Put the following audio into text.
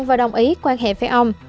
và đồng ý quan hệ với ông